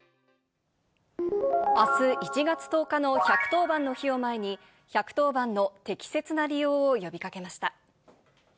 あす１月１０日の１１０番の日を前に、１１０番の適切な利用を呼びかけました。